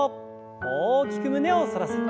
大きく胸を反らせて。